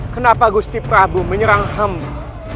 kenapa gusti prabu menyerang hamba